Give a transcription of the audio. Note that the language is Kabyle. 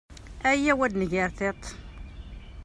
Ayaw ad nger tiṭ.